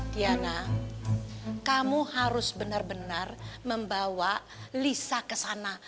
diana kamu harus benar benar membawa lisa ke sana